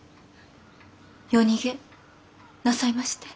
夜逃げなさいまして。